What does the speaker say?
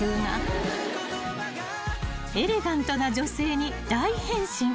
［エレガントな女性に大変身］